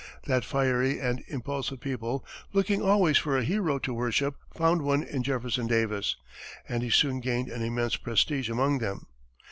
That fiery and impulsive people, looking always for a hero to worship, found one in Jefferson Davis, and he soon gained an immense prestige among them.